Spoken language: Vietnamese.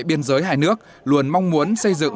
biên giới hai nước luôn mong muốn xây dựng